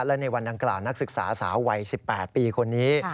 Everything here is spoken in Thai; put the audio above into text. และในวันดังกล่าวนักศึกษาสาววัย๑๘ปีคนนี้